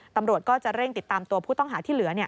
ตำรวจก็จะเร่งติดตามตัวผู้ต้องหาที่เหลือ